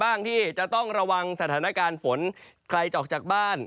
บ้างที่จะต้องระวังสถานการณ์ฝนใครจะออกจากบ้าน